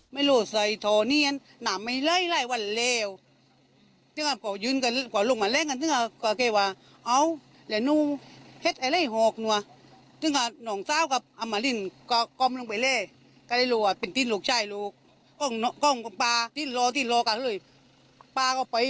พี่บอกว่าลูกตา่งีภาพที่พาตำราไม่ยอม